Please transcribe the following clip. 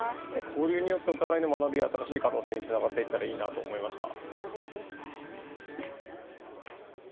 交流によってお互いの学びや新しい可能性につながったらいいなと思いました。